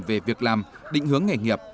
về việc làm định hướng nghề nghiệp